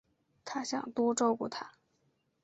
她想多照顾她